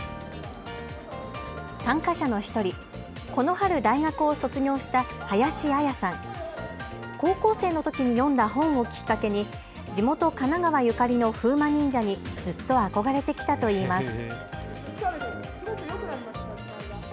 参加者の１人、この春大学を卒業した林あやさん、高校生のときに読んだ本をきっかけに地元神奈川ゆかりの風魔忍者に、ずっと憧れてきたといいます。